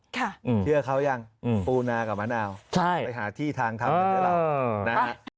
เชื่อเขายังปูนากับมะนาวไปหาที่ทางทำกันด้วยเรา